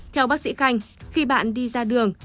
theo bác sĩ khanh khi bạn đi ra đường